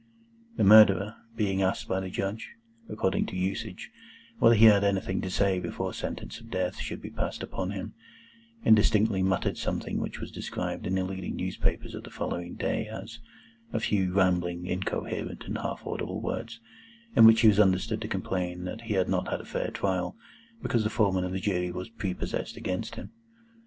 The Murderer, being asked by the Judge, according to usage, whether he had anything to say before sentence of Death should be passed upon him, indistinctly muttered something which was described in the leading newspapers of the following day as "a few rambling, incoherent, and half audible words, in which he was understood to complain that he had not had a fair trial, because the Foreman of the Jury was prepossessed against him."